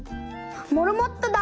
「モルモットだ！」。